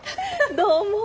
どうも。